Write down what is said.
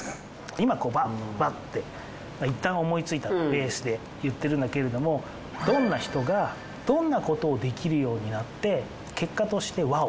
今バッバッて一旦思いついたベースで言ってるんだけれどもどんな人がどんなことをできるようになって結果としてワオ！